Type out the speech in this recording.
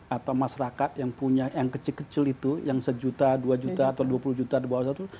atau masyarakat yang punya yang kecil kecil itu yang sejuta dua juta atau dua puluh juta di bawah satu